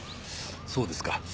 そうですか。